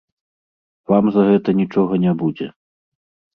Вам за гэта нічога не будзе.